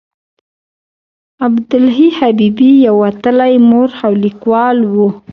عبدالحي حبیبي یو وتلی مورخ او لیکوال و.